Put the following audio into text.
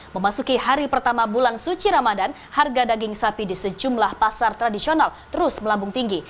memasuki hari pertama bulan suci ramadan harga daging sapi di sejumlah pasar tradisional terus melambung tinggi